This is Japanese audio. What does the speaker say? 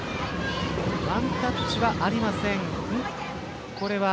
ワンタッチはありません。